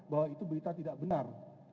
bahwa itu berita tidak benar